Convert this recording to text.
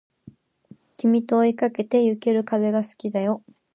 君と追いかけてゆける風が好きだよ